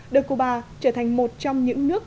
được cuba trở thành một trong những nước